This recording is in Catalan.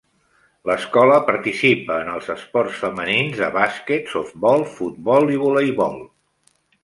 L'escola participa en els esports femenins de bàsquet, softbol, futbol i voleibol.